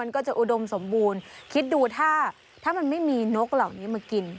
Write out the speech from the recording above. ก็จะอุดมสมบูรณ์คิดดูถ้ามันไม่มีนกเหล่านี้มากิน